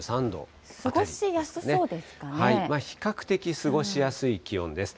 比較的、過ごしやすい気温です。